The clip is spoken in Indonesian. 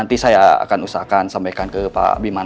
nanti saya akan usahakan sampaikan ke pak biman